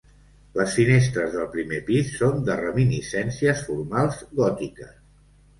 Les finestres del primer pis són de reminiscències formals gòtiques.